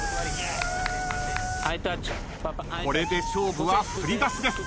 これで勝負は振り出しです。